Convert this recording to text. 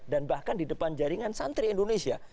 dan bahkan di depan jaringan santri indonesia